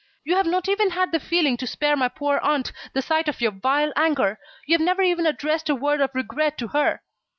You have not even had the feeling to spare my poor aunt the sight of your vile anger. You have never even addressed a word of regret to her."